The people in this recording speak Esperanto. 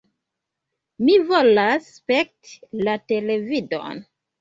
Mi volas spekti la televidon!